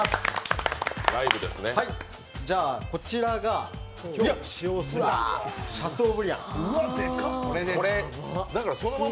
こちらが今日使用するシャトーブリアン。